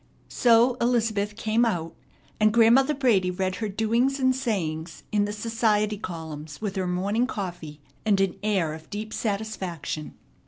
So Elizabeth "came out," and Grandmother Brady read her doings and sayings in the society columns with her morning coffee and an air of deep satisfaction.